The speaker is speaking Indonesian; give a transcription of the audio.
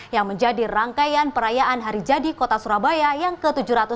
yang menjadi rangkaian perayaan hari jadi kota surabaya yang ke tujuh ratus sembilan puluh